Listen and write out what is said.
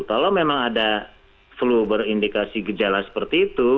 kalau memang ada flu berindikasi gejala seperti itu